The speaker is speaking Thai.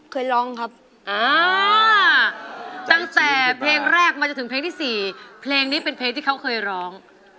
เคยร้องครับอ่าตั้งแต่เพลงแรกมาจนถึงเพลงที่๔เพลงนี้เป็นเพลงที่เขาเคยร้อง